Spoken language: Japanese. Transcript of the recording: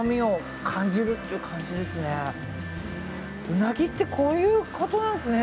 ウナギってこういうことなんですね